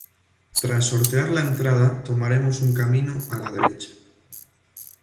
Tras sortear la entrada tomaremos un camino a la derecha.